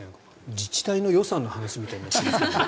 自治体の予算の話みたいになっちゃった。